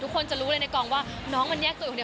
คนจะรู้เลยในกองว่าน้องมันแยกตัวอยู่คนเดียว